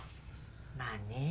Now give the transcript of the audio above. まあね。